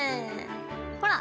ほら！